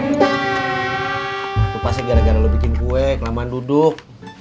itu pasti gara gara lo bikin kue kelamaan duduk